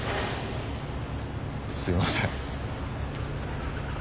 すいません。